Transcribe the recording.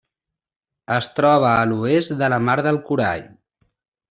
Es troba a l'oest de la Mar del Corall.